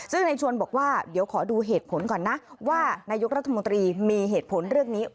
ซึ่งในชวนบอกว่าเดี๋ยวขอดูเหตุผลก่อนนะว่านายกรัฐมนตรีมีเหตุผลเรื่องนี้